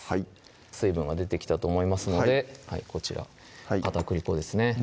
水分が出てきたと思いますのでこちら片栗粉ですね